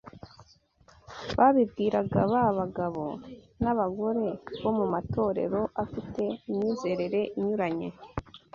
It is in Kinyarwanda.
babibwiraga ’abagabo n’abagore bo mu matorero afite imyizerere inyuranye